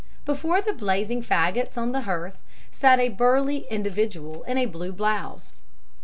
"Before the blazing faggots on the hearth sat a burly looking individual in a blue blouse.